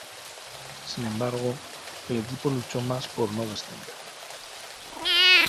Sin embargo, el equipo luchó más por no descender.